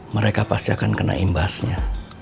mereka pasti akan kena imbasnya